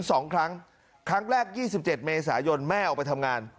สองครั้งครั้งแรก๒๗เมษายนแม่ออกไปทำงาน